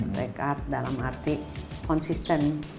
berdekat dalam arti konsisten